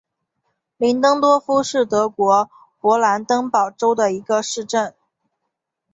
林登多夫是德国勃兰登堡州的一个市镇。